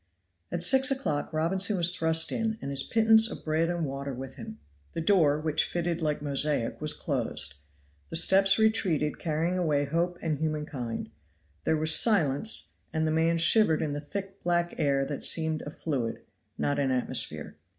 At six o'clock Robinson was thrust in, and his pittance of bread and water with him; the door, which fitted like mosaic, was closed. The steps retreated carrying away hope and human kind; there was silence, and the man shivered in the thick black air that seemed a fluid, not an atmosphere.